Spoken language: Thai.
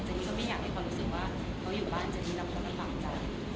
เจนนี่ก็ไม่อยากให้คนรู้สึกว่าเขาอยู่บ้านเจนนี่แล้วคนละบ่างจ้ะ